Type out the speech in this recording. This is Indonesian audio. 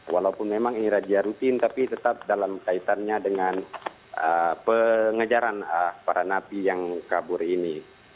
walaupun memang ini razia rutin tapi tetap dalam kaitannya dengan pengejaran para napi yang kabur ini